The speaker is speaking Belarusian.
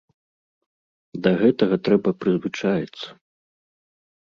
Да гэтага трэба прызвычаіцца.